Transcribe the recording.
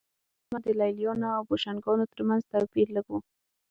تر دې دمه د لېلیانو او بوشنګانو ترمنځ توپیر لږ و